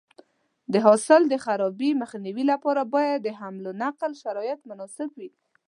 د حاصل د خرابي مخنیوي لپاره باید د حمل او نقل شرایط مناسب وي.